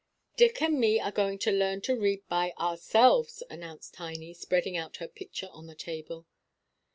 "Dick and me are going to learn to read by ourselves," announced Tiny, spreading out her picture on the table.